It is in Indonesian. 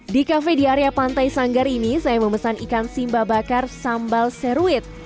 di kafe di area pantai sanggar ini saya memesan ikan simba bakar sambal seruit